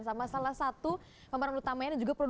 sama salah satu pemeran utama ini